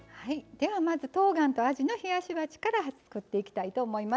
ではまずとうがんとあじの冷やし鉢から作っていきたいと思います。